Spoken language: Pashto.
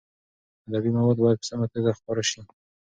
ادبي مواد باید په سمه توګه خپاره شي.